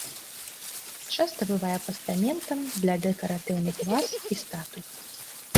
Часта бывае пастаментам для дэкаратыўных ваз і статуй.